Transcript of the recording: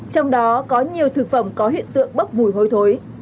trong đó có nhiều thực phẩm có hiện tượng bốc mùi hôi thối